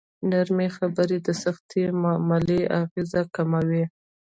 نرمې خبرې د سختې معاملې اغېز کموي.